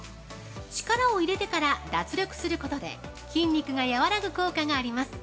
力を入れてから脱力することで筋肉が和らぐ効果があります。